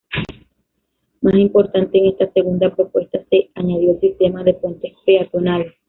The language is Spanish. Más importante, en esta segunda propuesta se añadió el sistema de puentes peatonales.